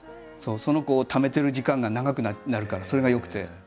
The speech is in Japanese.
そのためてる時間が長くなるからそれがよくて。